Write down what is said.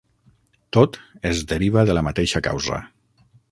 Tot es deriva de la mateixa causa.